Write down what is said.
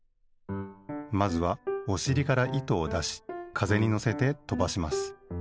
まずはおしりから糸をだしかぜにのせてとばします。